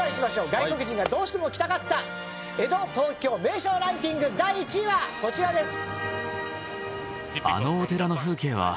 外国人がどうしても来たかった江戸・東京名所ランキング第１位はこちらです。